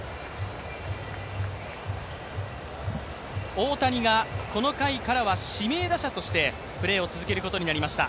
大谷がこの回からは指名打者としてプレーを続けることになりました。